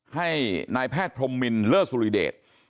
ให้นายแพทย์พรมมินเลอร์สุริเดช